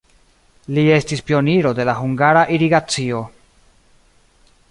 Li estis pioniro de la hungara irigacio.